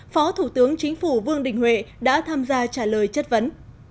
phó thủ tướng chính phủ vương đình huệ đã tham gia trả lời chất vấn